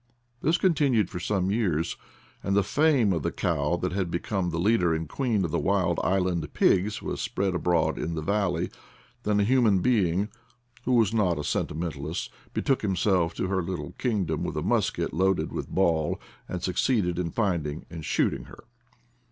This con tinued for some years, and the fame of the cow that had become the leader and queen of the wild island pigs was spread abroad in the valley; then a human being, who was not a "sentimentalist," 56 IDLE DATS IN PATAGONIA betook himself to her little kingdom with a musket loaded with ball, and succeeded in finding and shooting her.